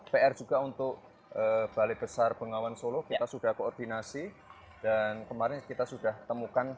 pr juga untuk balai besar bengawan solo kita sudah koordinasi dan kemarin kita sudah temukan